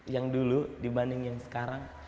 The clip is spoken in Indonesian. yang dulu dibandingkan sekarang